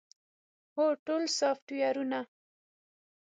هو، ټول سافټویرونه